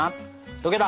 溶けた！